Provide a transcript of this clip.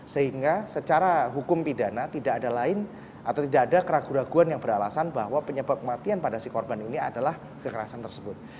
sehingga secara hukum pidana tidak ada lain atau tidak ada keraguan keraguan yang beralasan bahwa penyebab kematian pada si korban ini adalah kekerasan tersebut